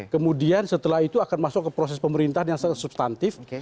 kemudian setelah itu akan masuk ke proses pemerintahan yang sangat substantif